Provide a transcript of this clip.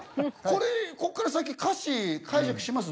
これこっから先歌詞解釈します？